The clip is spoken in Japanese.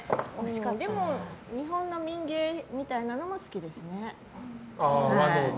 でも日本の民芸みたいなのも好きですね。